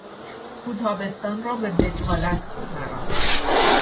او تابستان را به بطالت گذراند.